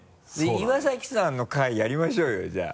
岩崎さんの回やりましょうよじゃあ。